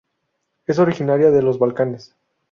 Es originaria de los Balcanes.